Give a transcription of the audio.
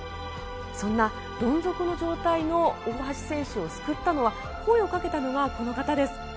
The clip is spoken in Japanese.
そんなどん底の状態の大橋選手を救ったのは声をかけたのがこの方です。